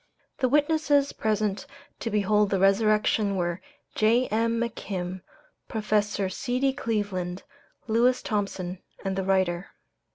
The witnesses present to behold the resurrection were J.M. McKim, Professor C.D. Cleveland, Lewis Thompson, and the writer.